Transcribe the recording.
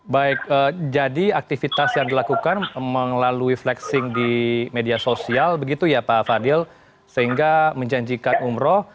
baik jadi aktivitas yang dilakukan melalui flexing di media sosial begitu ya pak fadil sehingga menjanjikan umroh